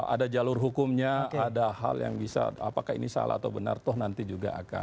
ada jalur hukumnya ada hal yang bisa apakah ini salah atau benar toh nanti juga akan